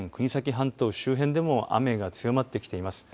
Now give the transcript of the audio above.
半島周辺でも雨が強まってきています。